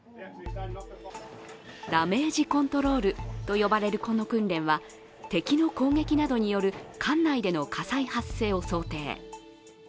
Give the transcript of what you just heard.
ダメージコントロールと呼ばれるこの訓練は敵の攻撃などによる艦内での火災発生を想定。